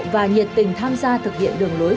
và nhiệt tình tham gia thực hiện đường lối